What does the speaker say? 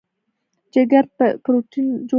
جګر پروټین جوړوي.